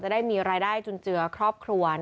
ได้มีรายได้จุนเจือครอบครัว